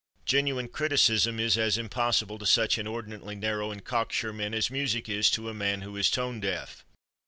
Genuine criticism is as impossible to such inordinately narrow and cocksure men as music is to a man who is tone deaf.